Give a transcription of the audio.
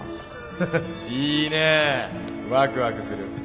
フフいいねえワクワクする。